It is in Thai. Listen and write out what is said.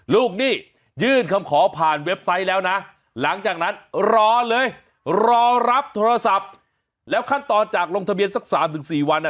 หนี้ยื่นคำขอผ่านเว็บไซต์แล้วนะหลังจากนั้นรอเลยรอรับโทรศัพท์แล้วขั้นตอนจากลงทะเบียนสัก๓๔วัน